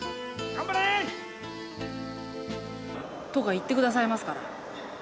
頑張れ！とか言って下さいますから。